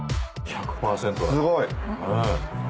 すごい！